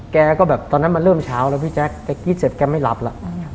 แกก็แบบตอนนั้นมันเริ่มเช้าแล้วพี่แจ๊คไปกรี๊ดเสร็จแกไม่หลับแล้ว